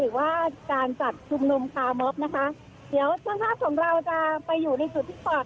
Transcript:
หรือว่าการจัดชุมนุมคาร์มอบนะคะเดี๋ยวช่างภาพของเราจะไปอยู่ในจุดที่จอด